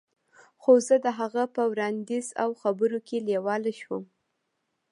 خو زه د هغه په وړاندیز او خبرو کې لیواله شوم